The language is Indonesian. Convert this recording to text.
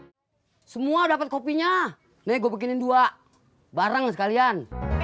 hai semua dapat kopinya nego bikinin dua bareng sekalian